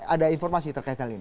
ada informasi terkait hal ini